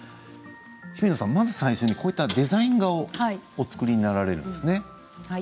ひびのさん、まず最初にこういったデザイン画をお作りになられるんですね。